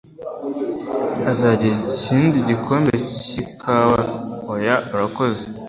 Uzagira ikindi gikombe cy'ikawa? Oya urakoze